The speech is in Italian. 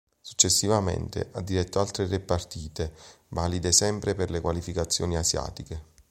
Successivamente, ha diretto altre tre partite valide sempre per le qualificazioni asiatiche.